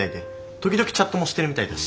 時々チャットもしてるみたいだし。